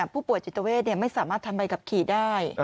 ผู้ป่วยจิตเวทไม่สามารถทำใบขับขี่ได้